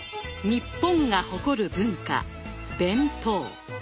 日本が誇る文化弁当。